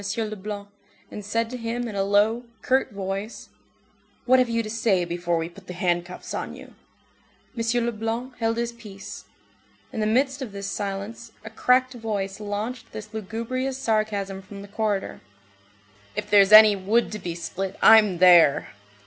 Leblanc, and said to him in a low, curt voice:— "What have you to say before we put the handcuffs on you?" M. Leblanc held his peace. In the midst of this silence, a cracked voice launched this lugubrious sarcasm from the corridor:— "If there's any wood to be split, I'm there!"